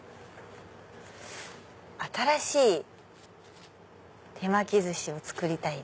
新しい手巻き寿司を作りたいな。